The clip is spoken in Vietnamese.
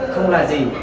không là gì